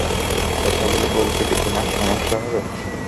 কথাগুলো বলতে কী তোমার সমস্যা হবে?